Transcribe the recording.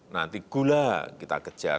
nanti gula kita kejar